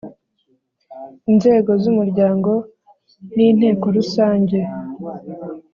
Inzego z Umuryango ni Inteko Rusange